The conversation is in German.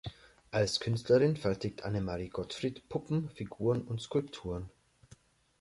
Als Künstlerin fertigt Annemarie Gottfried Puppen, Figuren und Skulpturen.